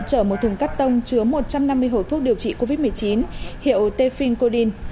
chở một thùng cắt tông chứa một trăm năm mươi hồ thuốc điều trị covid một mươi chín hiệu tepfin coldin